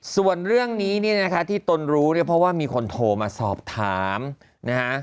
ส่วนเรื่องนี้เนี่ยนะคะที่ตนรู้เนี่ยเพราะว่ามีคนโทรมาสอบถามนะฮะ